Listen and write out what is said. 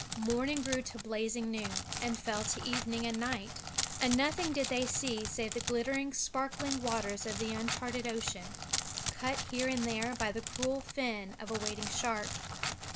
Morning grew to blazing noon and fell to evening and night, and nothing did they see save the glittering sparkling waters of the uncharted ocean, cut here and there by the cruel fin of a waiting shark.